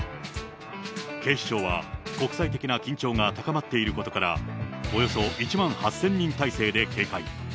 警視庁は国際的な緊張が高まっていることから、およそ１万８０００人態勢で警戒。